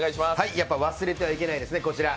やっぱ忘れてはいけないですね、こちら。